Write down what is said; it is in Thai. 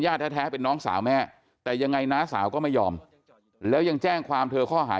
แท้เป็นน้องสาวแม่แต่ยังไงน้าสาวก็ไม่ยอมแล้วยังแจ้งความเธอข้อหา